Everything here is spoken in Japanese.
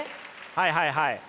はいはいはい。